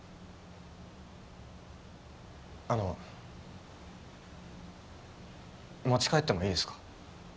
あの持ち帰ってもいいですか？